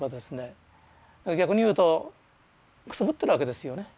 だから逆に言うとくすぶってるわけですよね。